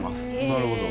なるほど。